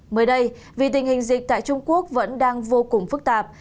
mới đây vì tình hình dịch tại trung quốc vẫn đang vô cùng phức tạp